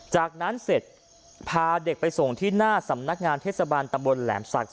จากนั้นเสร็จพาเด็กไปส่งที่หน้าสำนักงานเทศบาลตำบลแหลมศักดิ์